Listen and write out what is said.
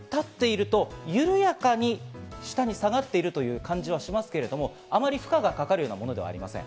立っているとゆるやかに下に下がっているという感じはしますが、あまり負荷がかかるようなものではありません。